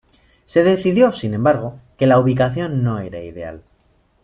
Se decidió, sin embargo, que la ubicación no era ideal.